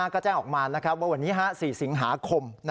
ก็แจ้งออกมาว่าวันนี้๔สิงหาคม